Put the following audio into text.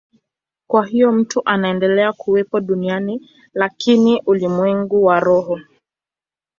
Kwa hiyo mtu anaendelea kuwepo duniani, lakini kwenye ulimwengu wa roho.